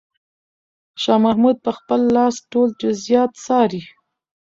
شاه محمود په خپله لاس ټول جزئیات څاري.